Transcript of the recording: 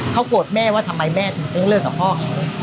เขาโกรธแม่ว่าทำไมแม่ถึงต้องเลิกกับพ่อเขา